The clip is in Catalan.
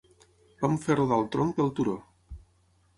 Vam fer rodar el tronc pel turó.